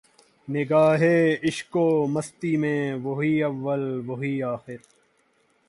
نگاہ عشق و مستی میں وہی اول وہی آخر